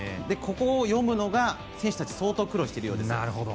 ここを読むのが選手たち相当苦労しているようです。